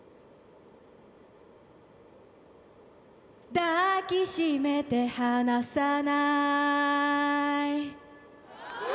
抱きしめて離さないおお！